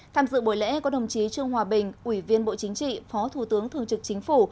tham dự buổi lễ có đồng chí trương hòa bình ủy viên bộ chính trị phó thủ tướng thường trực chính phủ